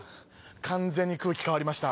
完全に空気変わりました。